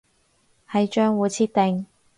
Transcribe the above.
係賬戶設定